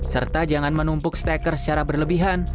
serta jangan menumpuk steker secara berlebihan